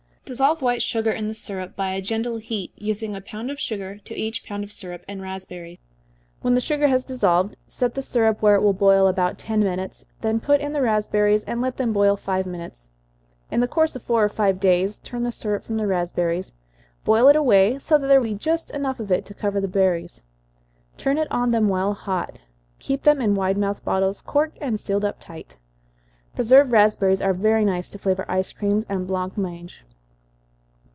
Dissolve white sugar in the syrup, by a gentle heat, using a pound of sugar to each pound of syrup and raspberries. When the sugar has dissolved, set the syrup where it will boil about ten minutes, then put in the raspberries, and let them boil five minutes. In the course of four or five days, turn the syrup from the raspberries boil it away, so that there will be just enough of it to cover the berries turn it on them while hot. Keep them in wide mouthed bottles, corked and sealed up tight. Preserved raspberries are very nice to flavor ice creams and blanc mange.